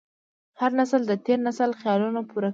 هر نسل د تېر نسل خیالونه پوره کوي.